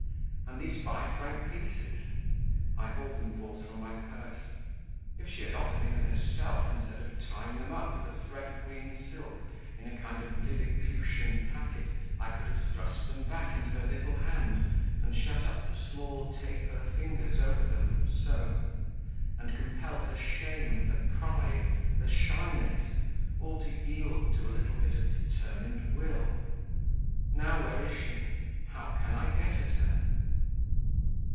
And these five franc pieces?" (I hauled them forth from my purse) "if she had offered me them herself instead of tying them up with a thread of green silk in a kind of Lilliputian packet, I could have thrust them back into her little hand, and shut up the small, taper fingers over them so and compelled her shame, her pride, her shyness, all to yield to a little bit of determined Will now where is she? How can I get at her?"